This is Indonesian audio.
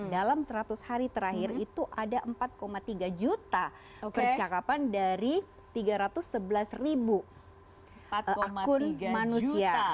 dalam seratus hari terakhir itu ada empat tiga juta percakapan dari tiga ratus sebelas ribu akun manusia